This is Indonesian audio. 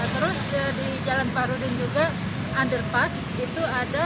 terus di jalan parudin juga underpass itu ada